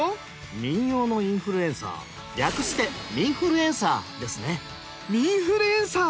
民謡のインフルエンサー略して民フルエンサーですね民フルエンサー！